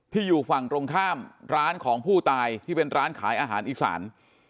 อยู่ฝั่งตรงข้ามร้านของผู้ตายที่เป็นร้านขายอาหารอีสาน